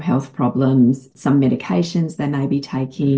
beberapa medikasi yang mereka ambil